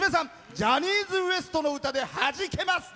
ジャニーズＷＥＳＴの歌ではじけます。